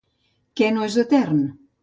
Què no és etern?